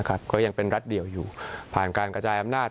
ก็ยังเป็นรัฐเดี่ยวอยู่ผ่านการกระจายอำนาจ